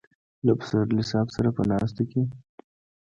له پسرلي صاحب سره په ناستو کې.